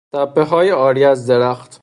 تپههای عاری از درخت